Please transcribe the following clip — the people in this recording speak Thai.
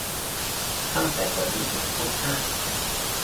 ตั้งแต่วันนี้ถึงพุธหน้า !